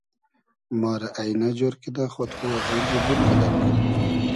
ما رۂ اݷنۂ جۉر کیدۂ خۉد خو ازونجی بور کئدئگ